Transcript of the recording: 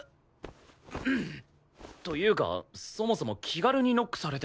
ううっ。というかそもそも気軽にノックされてもな。